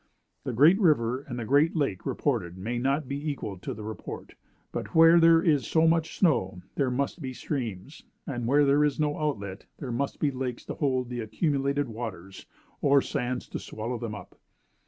The great river and the great lake reported may not be equal to the report; but where there is so much snow, there must be streams; and where there is no outlet, there must be lakes to hold the accumulated waters, or sands to swallow them up.